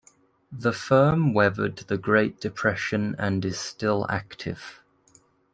The firm weathered the Great Depression and is still active.